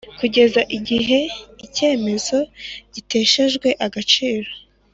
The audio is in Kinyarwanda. kugeza igihe icyemezo gitesherejwe agaciro.